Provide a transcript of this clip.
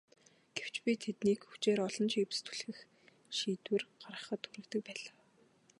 Гэвч би тэднийг хүчээр олон чипс түлхэх шийдвэр гаргахад хүргэдэг байлаа.